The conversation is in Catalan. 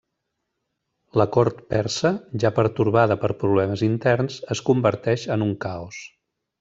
La cort persa, ja pertorbada per problemes interns, es converteix en un caos.